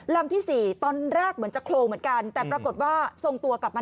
ลำที่๔ตอนแรกเหมือนจะโครงเหมือนกัน